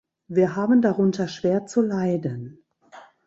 Wir haben darunter schwer zu leiden.